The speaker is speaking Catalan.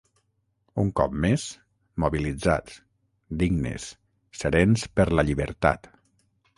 Un cop més, mobilitzats, dignes, serens per la llibertat.